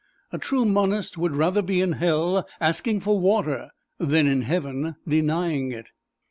A true Monist would rather be in Hell asking for water than in Heaven denying it.